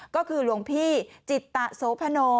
ก็คือหลวงพี่จิตตะโสพโน